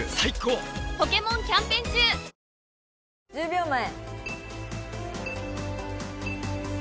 １０秒前。